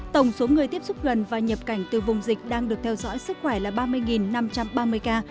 tổng số người tiếp xúc gần và nhập cảnh từ vùng dịch đang được theo dõi sức khỏe là ba mươi năm trăm ba mươi ca